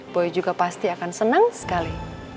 boy juga pasti akan senang sekali